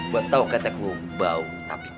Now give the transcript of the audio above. buat tau ketek lo bau tapi